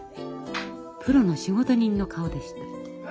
プロの仕事人の顔でした。